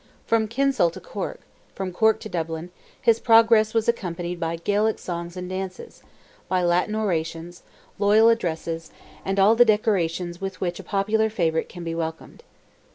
From Kinsale to Cork, from Cork to Dublin, his progress was accompanied by Gaelic songs and dances, by Latin orations, loyal addresses, and all the decorations with which a popular favourite can be welcomed.